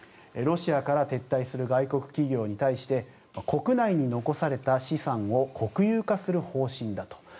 ロシアから撤退する外国企業に対して国内に残された資産を国有化する方針だと。